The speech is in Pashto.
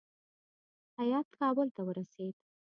هیات کابل ته ورسېد.